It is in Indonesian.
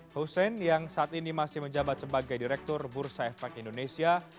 hussein yang saat ini masih menjabat sebagai direktur bursa efek indonesia